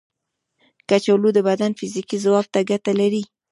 کچالو د بدن فزیکي ځواک ته ګټه لري.